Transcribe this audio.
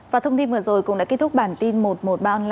và thông tin vừa rồi cũng đã kết thúc bản tin một trăm một mươi ba online